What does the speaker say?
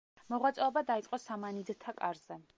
მოღვაწეობა დაიწყო სამანიდთა კარზე.